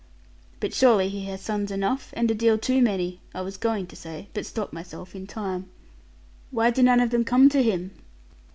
'But surely he has sons enough; and a deal too many,' I was going to say, but stopped myself in time: 'why do none of them come to him?'